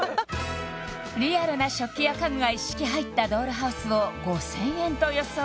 リアルな食器や家具が一式入ったドールハウスを５０００円と予想